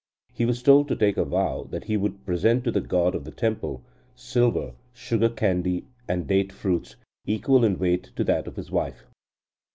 He was told to take a vow that he would present to the god of the temple, silver, sugar candy, and date fruits, equal in weight to that of his wife.